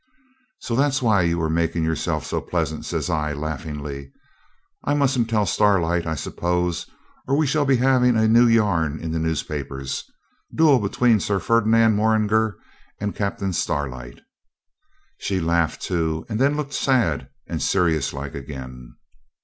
'So that's why you were making yourself so pleasant,' says I laughingly. 'I mustn't tell Starlight, I suppose, or we shall be having a new yarn in the newspapers "Duel between Sir Ferdinand Morringer and Captain Starlight."' She laughed too, and then looked sad and serious like again.